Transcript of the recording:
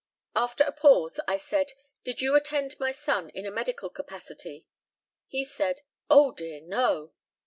After a pause, I said, "Did you attend my son in a medical capacity?" He said, "Oh, dear, no."